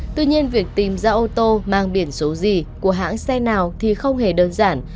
tuy nhiên việc tìm ra ô tô mang biển số gì của hãng xe nào thì không hề đơn giản